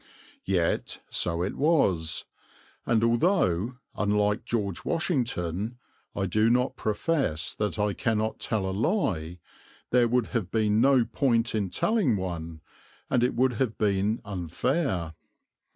Yet so it was, and although, unlike George Washington, I do not profess that I cannot tell a lie, there would have been no point in telling one, and it would have been unfair.